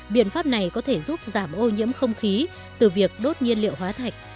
biện pháp này có thể giúp giảm ô nhiễm không khí từ việc đốt nhiên liệu hóa thạch